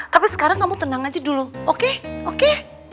tapi sekarang kamu tenang aja dulu oke oke